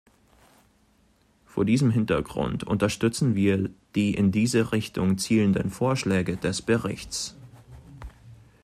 Vor diesem Hintergrund unterstützen wir die in diese Richtung zielenden Vorschläge des Berichts.